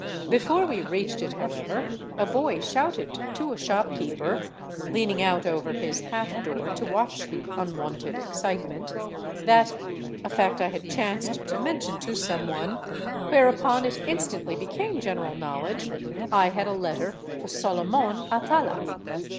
Before we reached it, however, a boy shouted to a shopkeeper, leaning out over his half door to watch the unwonted excitement, that — a fact I had chanced to mention to some one, whereupon it instantly became general knowledge — I had a letter for Solomon Atala.